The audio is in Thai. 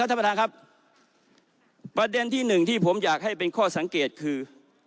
การได้มาซึ่งสมาชิกรัฐสรรพา